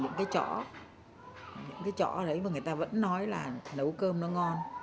những cái chỗ những cái chỗ đấy mà người ta vẫn nói là nấu cơm nó ngon